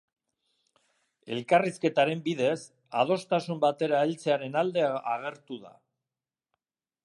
Elkarrizketaren bidez, adostasun batera heltzearen alde agertu da.